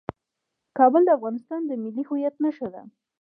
کابل د افغانستان د ملي هویت نښه ده.